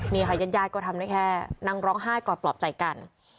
นี่ค่ะยันยาดก็ทำได้แค่นั่งร้องฮาดก่อนปลอบใจกัน